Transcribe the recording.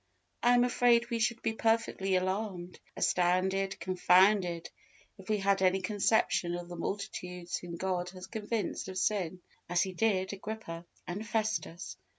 I am afraid we should be perfectly alarmed, astounded, confounded, if we had any conception of the multitudes whom God has convinced of sin, as He did Agrippa and Festus.